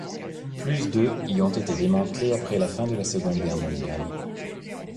Plus de y ont été démantelés après la fin de la Seconde Guerre mondiale.